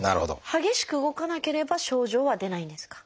激しく動かなければ症状は出ないんですか？